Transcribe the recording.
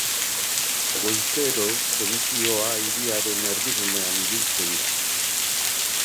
Goizero, segizioa hiriaren erdigunean ibiltzen da.